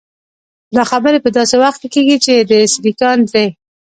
دا خبرې په داسې وخت کې کېږي چې د 'سیليکان درې'.